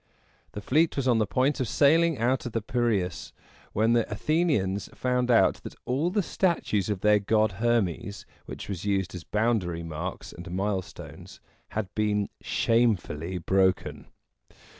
The fleet was on the point of sailing out of the Piræus, when the Athenians found out that all the statues of their god Her´mes, which were used as boundary marks and milestones, had been shamefully broken.